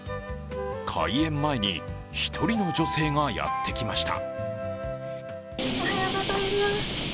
開演前に１人の女性がやってきました。